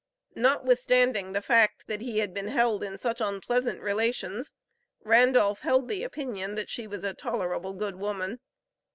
Notwithstanding the fact that he had been held in such unpleasant relations, Randolph held the opinion, that "she was a tolerable good woman."